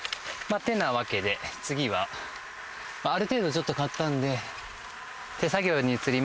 てなわけで次はある程度ちょっと刈ったんで。